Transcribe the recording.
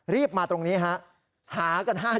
รีบมาตรงนี้ฮะหากัน๕ชั่วโมง